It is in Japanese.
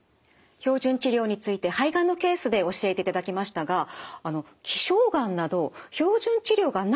標準治療について肺がんのケースで教えていただきましたが希少がんなど標準治療がないという場合もありますよね。